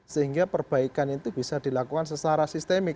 sehingga perbaikan itu bisa dilakukan secara sistemik